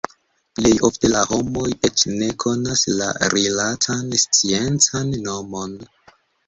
Plej ofte la homoj eĉ ne konas la rilatan sciencan nomon.